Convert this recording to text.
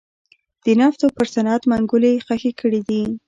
د نفتو پر صنعت منګولې خښې کړې دي.